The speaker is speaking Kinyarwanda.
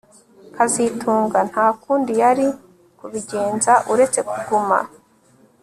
kazitunga nta kundi yari kubigenza uretse kuguma